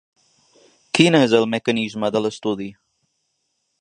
Quin és el mecanisme de l’estudi?